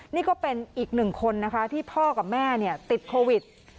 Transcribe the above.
นี่ก็เป็นอีกหนึ่งคนนะคะที่พ่อกับแม่ติดโควิด